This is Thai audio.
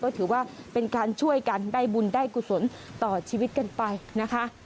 ก็ถือว่าเป็นการช่วยกันได้บุญได้กุศลต่อชีวิตกันไปนะคะ